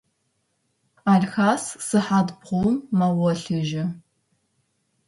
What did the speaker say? Алхъас сыхьат бгъум мэгъолъыжьы.